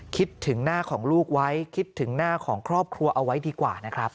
คิดถึงหน้าของลูกไว้คิดถึงหน้าของครอบครัวเอาไว้ดีกว่านะครับ